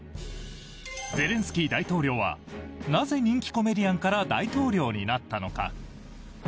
ゼレンスキー大統領はなぜ、人気コメディアンから大統領になったのか。